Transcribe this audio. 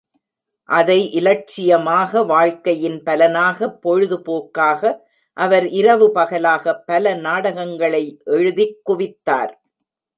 அதை இலட்சியமாக, வாழ்க்கையின் பலனாக, பொழுது போக்காக அவர் இரவு பகலாக பல நாடகங்களை எழுதிக் குவித்தார்.